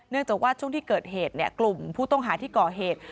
จากว่าช่วงที่เกิดเหตุกลุ่มผู้ต้องหาที่ก่อเหตุ